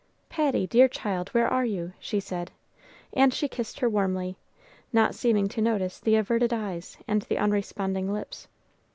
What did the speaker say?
"Patty, dear child, where are you?" she said. And she kissed her warmly, not seeming to notice the averted eyes and the unresponding lips.